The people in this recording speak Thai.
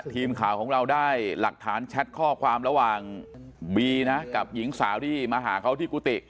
ทีมข่าวของเราได้หลักฐานแชทข้อความระหว่างบีนะกับหญิงสาวที่มาหาเขาที่กุฏิ